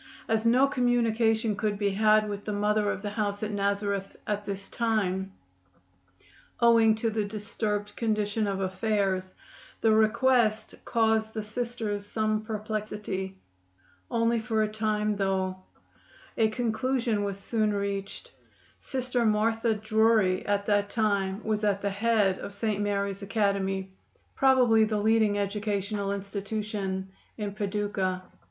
As no communication could be had with the Mother of the house at Nazareth at this time, owing to the disturbed condition of affairs, the request caused the Sisters some perplexity. Only for a time, though. A conclusion was soon reached. Sister Martha Drury at that time was at the head of St. Mary's Academy, probably the leading educational institution in Paducah.